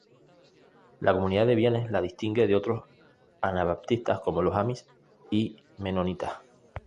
La comunidad de bienes la distingue de otros anabaptistas como los amish y menonitas.